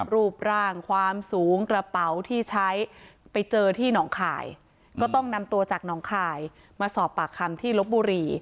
รูปร่างความสูงกระเป๋าที่ใช้ไปเจอที่หนองคายก็ต้องนำตัวจากหนองคายมาสอบปากคำที่ลบบุรี